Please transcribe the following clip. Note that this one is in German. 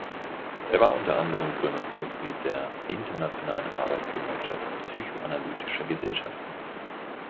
Er war unter anderem Gründungsmitglied der „Internationalen Arbeitsgemeinschaft psychoanalytischer Gesellschaften“.